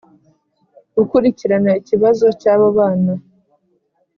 gukurikirana ikibazo cy abo bana